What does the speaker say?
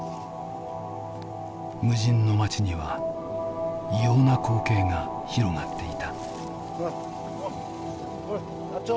無人の町には異様な光景が広がっていた。